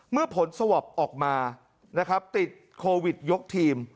เมื่อผลสวอปออกมานะครับติดโควิดยกทีม